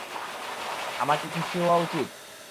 আমার কি খুশি হওয়া উচিত?